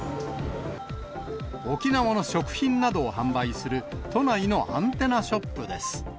沖縄の食品などを販売する都内のアンテナショップです。